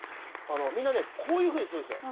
みんなねこういう風にするんですよ。